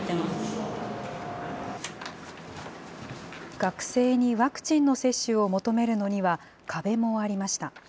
学生にワクチンの接種を求めるのには、壁もありました。